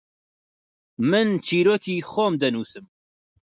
من چیرۆکی خۆم دەنووسم.